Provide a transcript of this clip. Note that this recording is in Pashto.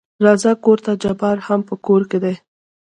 راځه کورته جبار هم په کور کې دى.